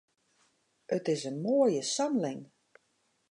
It is in moaie samling.